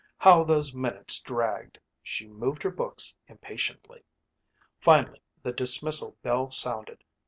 How those minutes dragged. She moved her books impatiently. Finally the dismissal bell sounded.